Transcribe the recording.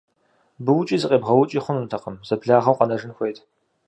Быукӏи зыкъебгъэукӏи хъунутэкъым, зэблагъэу къэнэжын хуейти.